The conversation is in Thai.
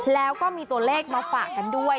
แล้วก็มีตัวเลขมาฝากกันด้วย